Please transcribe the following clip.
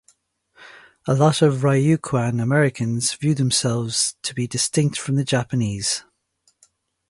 A lot of Ryukyuan Americans view themselves to be distinct from the Japanese.